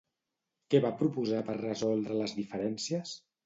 Què va proposar per resoldre les diferències?